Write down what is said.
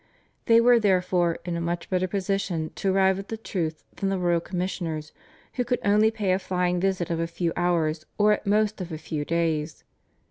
They were, therefore, in a much better position to arrive at the truth than the royal commissioners who could only pay a flying visit of a few hours or at most of a few days.